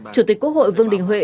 chủ tịch quốc hội vương đình huệ